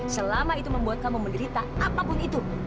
selama itu membuat kamu menderita apapun itu